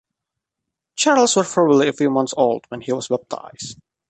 Charles was probably a few months old when he was baptised.